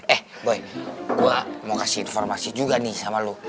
eh boy gue mau kasih informasi juga nih sama lo